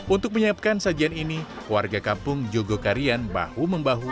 untuk menyiapkan sajian ini warga kampung jogokarian bahu membahu